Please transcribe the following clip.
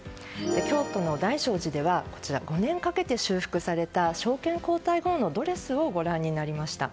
京都の大聖寺では５年かけて修復された昭憲皇太后のドレスをご覧になりました。